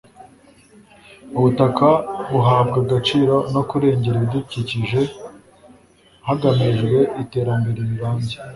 ubutaka buhabwa agaciro no kurengera ibidukikije hagamijwe iterambere rirambye